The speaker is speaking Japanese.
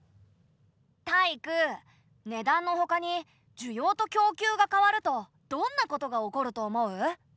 タイイク値段のほかに需要と供給が変わるとどんなことが起こると思う？